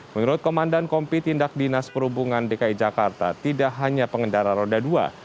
menurut komandan kompi tindak dinas perhubungan dki jakarta tidak hanya pengendara roda dua